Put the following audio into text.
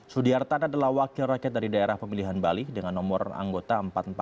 sudiartana adalah wakil rakyat dari daerah pemilihan bali dengan nomor anggota empat ratus empat puluh